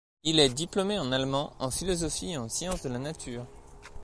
Il est diplômé en allemand, en philosophie et en sciences de la nature.